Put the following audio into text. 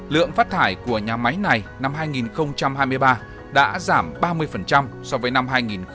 lượng phát thải của nhà máy này năm hai nghìn hai mươi ba đã giảm ba mươi so với năm hai nghìn hai mươi hai